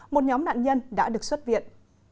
một nhóm nạn nhân đã được xuất viện